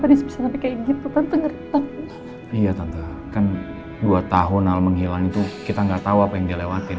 iya tante kan dua tahun al menghilang itu kita gak tahu apa yang dia lewatin